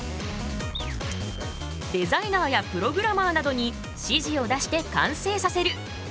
デザイナーやプログラマーなどに指示を出して完成させる。